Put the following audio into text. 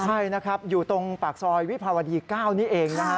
ใช่นะครับอยู่ตรงปากซอยวิภาวดี๙นี้เองนะฮะ